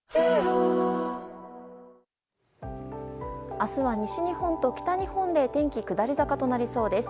明日は北日本と西日本で天気下り坂となりそうです。